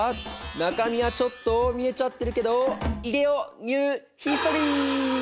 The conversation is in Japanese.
中身はちょっと見えちゃってるけどいでよニューヒストリー！